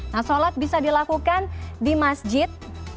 nah sholat bisa dilakukan di masjid